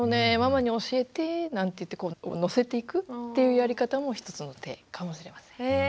ママに教えて」なんて言って乗せていくっていうやり方も一つの手かもしれません。